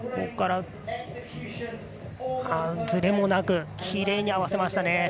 ずれもなくきれいに合わせましたね。